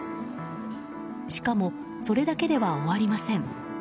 しかもそれだけでは終わりません。